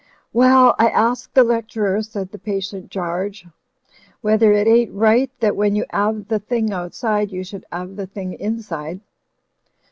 'Well, I ask the lecturer," said the patient Garge, "whether it ain't right that when you 'ave the thing outside you should *ave the thing inside."